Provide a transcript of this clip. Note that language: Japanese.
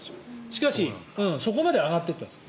しかし、そこまでは上がっていったんです。